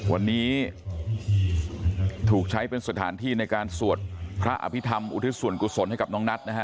วันนี้ถูกใช้เป็นสถานที่ในการสวดพระอภิษฐรรมอุทิศส่วนกุศลให้กับน้องนัทนะฮะ